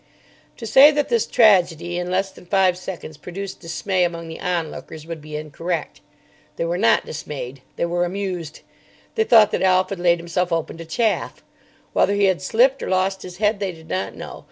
To say that this tragedy in less than five seconds produced dismay among the onlookers would be incorrect. They were not dismayed. They were amused. They thought that Alf had laid himself open to chaff. Whether he had slipped or lost his head they did not know.